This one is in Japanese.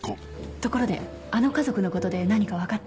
ところであの家族のことで何かわかった？